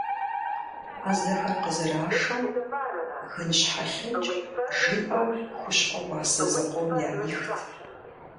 Ӏэзэхэр къызэрашэу «гынщхьэлъэкӏ» жиӏэу хущхъуэ уасэ зыкъом яӏихт.